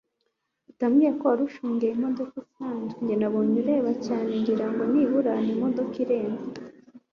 utambwira ko warushungeye imodoka isanzwe! njye nabonye ureba cyane ngira ngo nibura ni imodoka irenze